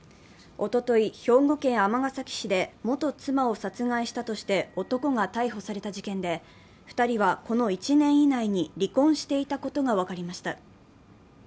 おととい、兵庫県尼崎市で元妻を殺害したとして男が逮捕された事件で、２人はこの１年以内に離婚していたことが分かりました。